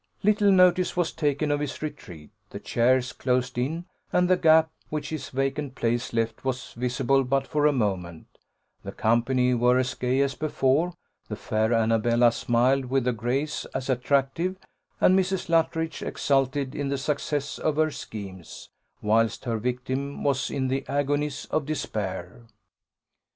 Little notice was taken of his retreat; the chairs closed in; and the gap which his vacant place left was visible but for a moment: the company were as gay as before; the fair Annabella smiled with a grace as attractive; and Mrs. Luttridge exulted in the success of her schemes whilst her victim was in the agonies of despair.